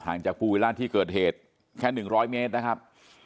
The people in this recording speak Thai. จากภูวิราชที่เกิดเหตุแค่๑๐๐เมตรนะครับ